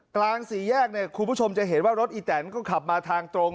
กลางสี่แยกเนี่ยคุณผู้ชมจะเห็นว่ารถอีแตนก็ขับมาทางตรง